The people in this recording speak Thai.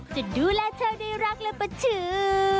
จะดูแลเธอได้รักและประทือ